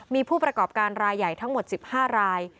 มีผู้ประกอบการรายใหญ่ทั้งหมด๑๕ราย